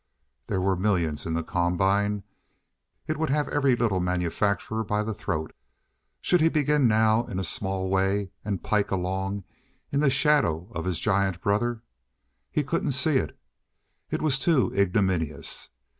There were millions in the combine. It would have every little manufacturer by the throat. Should he begin now in a small way and "pike along" in the shadow of his giant brother? He couldn't see it. It was too ignominious.